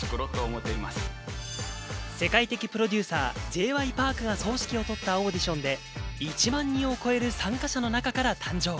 世界的プロデューサー・Ｊ．Ｙ．Ｐａｒｋが総指揮をとったオーディションで、１万人を超える参加者の中から誕生。